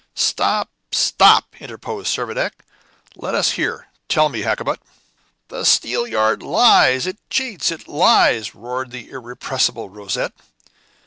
"Stop, stop!" interposed Servadac; "let us hear. Tell me, Hakkabut " "The steelyard lies! It cheats! it lies!" roared the irrepressible Rosette.